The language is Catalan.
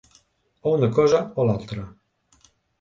O una cosa o l’altra.